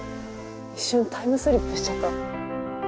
一瞬タイムスリップしちゃった。